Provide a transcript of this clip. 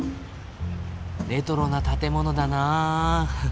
レトロな建物だなあ。